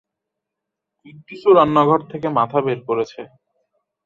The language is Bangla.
কুদ্দুসও রান্নাঘর থেকে মাথা বের করেছে।